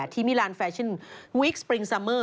มิลานแฟชั่นวิกสปริงซัมเมอร์